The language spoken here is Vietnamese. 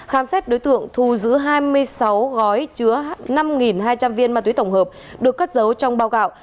khám xét đối tượng thu giữ hai mươi sáu gói chứa năm hai trăm linh viên ma túy tổng hợp được cất giấu trong bao gạo